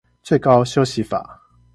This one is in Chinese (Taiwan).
最高休息法